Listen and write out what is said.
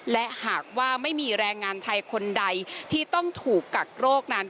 และหากว่าไม่มีแรงงานไทยคนใดที่ต้องถูกกักโรคนั้น